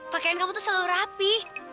pakaian kamu tuh selalu rapi